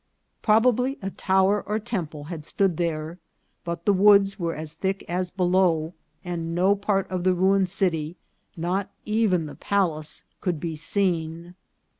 Proba bly a tower or temple had stood there, but the woods were as thick as below, and no part of the ruined city, not even the palace, could be seen.